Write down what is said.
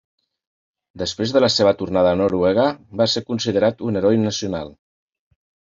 Després de la seva tornada a Noruega, va ser considerat un heroi nacional.